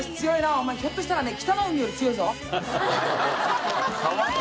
お前ひょっとしたらね北の湖より強いぞ。